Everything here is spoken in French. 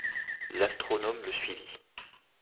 L’astronome le suivit.